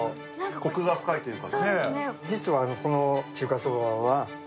こくが深いというか。